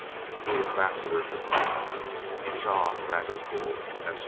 To be ambassador to France, John Vanderpool, Esq."